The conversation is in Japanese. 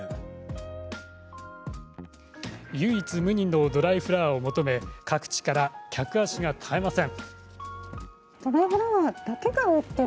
唯一無二のドライフラワーを求め各地から客足が絶えません。